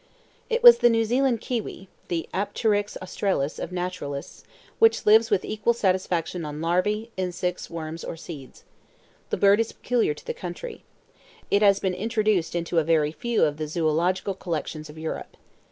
It was the New Zealand "kiwi," the Apteryx australis of naturalists, which lives with equal satisfaction on larvae, insects, worms or seeds. This bird is peculiar to the country. It has been introduced into very few of the zoological collections of Europe.